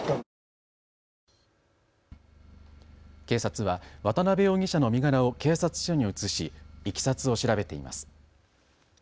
警察は渡邊容疑者の身柄を警察署に移しいきさつを調べています。